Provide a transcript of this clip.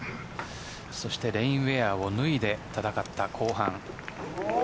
そしてレインウエアを脱いで戦った後半。